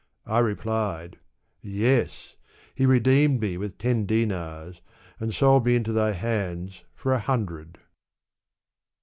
I replied, "Yes I he redeemed me with ten dinars, and sold me into thy hands for a hundred."